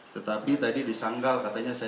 tetapi tadi disanggal katanya saya tidak mengakui